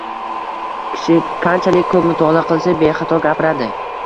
Kishi kanchalik ko‘p mutolaa qilsa, bexato gapiradi.